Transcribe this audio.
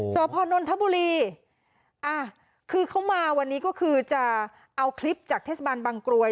สพนนทบุรีอ่ะคือเขามาวันนี้ก็คือจะเอาคลิปจากเทศบาลบางกรวย